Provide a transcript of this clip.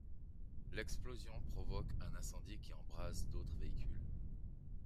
L'explosion provoque un incendie qui embrase d'autres véhicules.